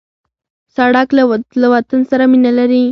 سړک له وطن سره مینه ښيي.